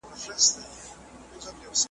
په هغه ګړې پر څټ د غوايی سپور سو .